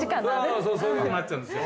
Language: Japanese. そうそういうふうになっちゃうんですよ。